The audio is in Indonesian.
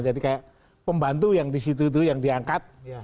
jadi kaya pembantu yang di situ itu yang diangkat